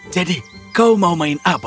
jadi kau mau main apa